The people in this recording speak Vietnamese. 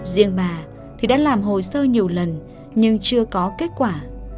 riêng bà thì đã làm hồ sơ nhiều lần nhưng chưa có kết quả